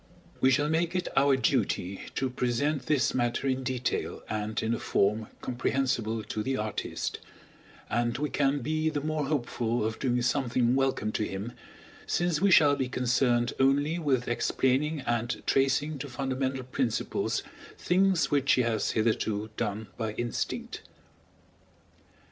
We shall make it our duty to present this matter in detail and in a form comprehensible to the artist; and we can be the more hopeful of doing something welcome to him, since we shall be concerned only with explaining and tracing to fundamental principles things which he has hitherto done by instinct.